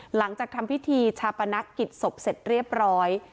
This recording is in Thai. หลังจากทำพิธีชาปนกิจศพเสร็จเรียบร้อย